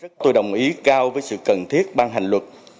chúng tôi đồng ý cao với sự cần thiết ban hành luật